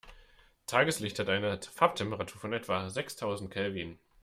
Tageslicht hat eine Farbtemperatur von etwa sechstausend Kelvin.